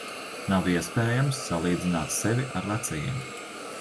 Nav iespējams salīdzināt sevi ar vecajiem.